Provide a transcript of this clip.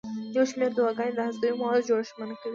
یو شمېر دواګانې د هستوي موادو جوړښت منع کوي.